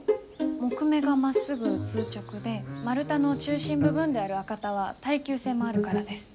木目がまっすぐ通直で丸太の中心部分である赤太は耐久性もあるからです。